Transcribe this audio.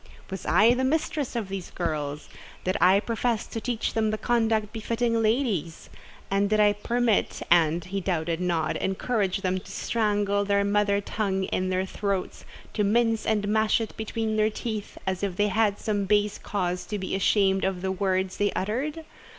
"Was I the mistress of these girls? Did I profess to teach them the conduct befitting ladies?—and did I permit and, he doubted not, encourage them to strangle their mother tongue in their throats, to mince and mash it between their teeth, as if they had some base cause to be ashamed of the words they uttered?